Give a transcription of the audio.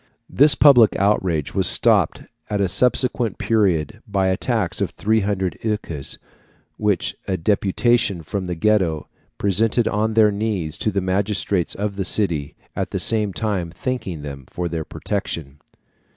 This public outrage was stopped at a subsequent period by a tax of 300 écus, which a deputation from the Ghetto presented on their knees to the magistrates of the city, at the same time thanking them for their protection.